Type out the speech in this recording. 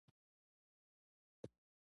د شرقي افغانستان د مېلو ډېرې خاطرې ورسره وې.